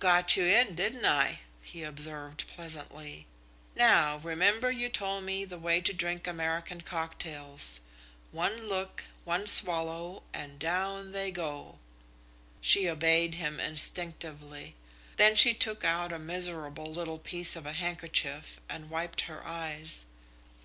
"Got you in, didn't I?" he observed pleasantly. "Now, remember you told me the way to drink American cocktails one look, one swallow, and down they go." She obeyed him instinctively. Then she took out a miserable little piece of a handkerchief and wiped her eyes.